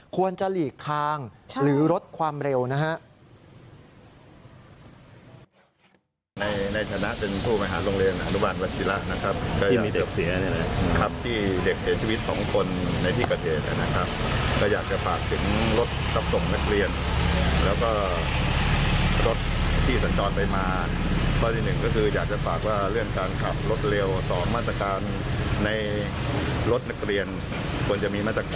ควรจะหลีกทางหรือลดความเร็วนะฮะ